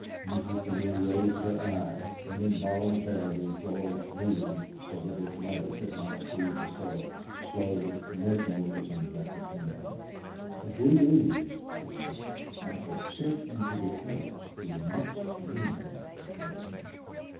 Mrs. Bellew raised her eyes, and involuntarily George moved so that his mother could not see the sort of slow mesmerism that was in them. "If we lose," she said, "I shall sink into the earth. We must win, George."